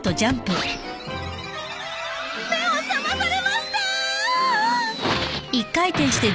目を覚まされましたー！